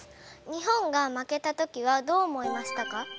日本が負けた時はどう思いましたか？